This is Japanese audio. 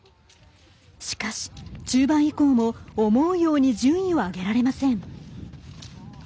しかし、中盤以降も思うように順位を上げられません。